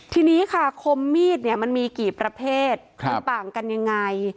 ทีนี้ค่ะคมมีดเนี่ยมันมีกี่ประเภทมันต่างกันยังไง